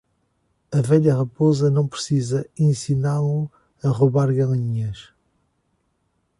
A velha raposa não precisa ensiná-lo a roubar galinhas.